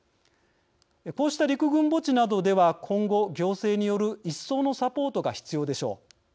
こうした陸軍墓地などでは今後、行政による一層のサポートが必要でしょう。